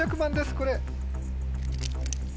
これ。